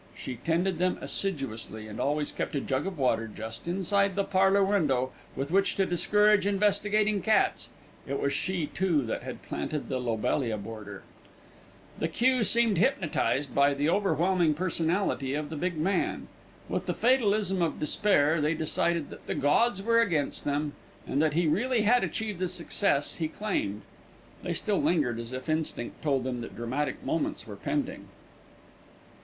She tended them assiduously, and always kept a jug of water just inside the parlour window with which to discourage investigating cats. It was she too that had planted the lobelia border. The queue seemed hypnotised by the overwhelming personality of the big man. With the fatalism of despair they decided that the gods were against them, and that he really had achieved the success he claimed. They still lingered, as if instinct told them that dramatic moments were pending.